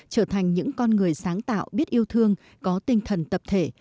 trở thành những con người sáng tạo biết yêu thương có tinh thần tập thể